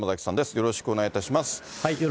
よろしくお願いします。